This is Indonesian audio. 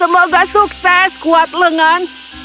semoga sukses kuat lengan